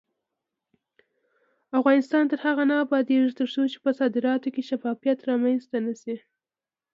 افغانستان تر هغو نه ابادیږي، ترڅو په صادراتو کې شفافیت رامنځته نشي.